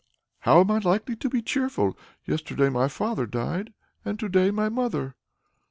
"How am I likely to be cheerful? Yesterday my father died, and to day my mother."